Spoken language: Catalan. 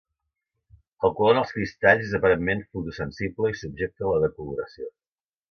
El color en els cristalls és aparentment fotosensible i subjecte a la decoloració.